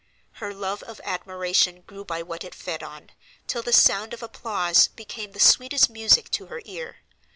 Her love of admiration grew by what it fed on, till the sound of applause became the sweetest music to her ear.